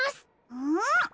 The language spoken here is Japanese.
うん！